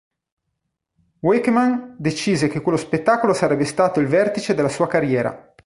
Wakeman decise che quello spettacolo sarebbe stato il vertice della sua carriera.